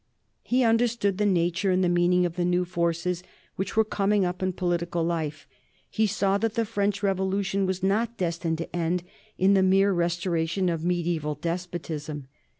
He understood the nature and the meaning of the new forces which were coming up in political life; he saw that the French Revolution was not destined to end in the mere restoration of mediaeval despotism.